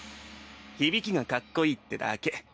響きがかっこいいってだけ。